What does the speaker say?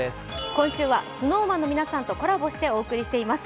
今週はＳｎｏｗＭａｎの皆さんとコラボしてお送りしています。